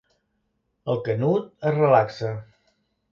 El Canut es relaxa.